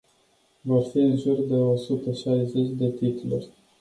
Vor fi în jur de o sută șaizeci de titluri.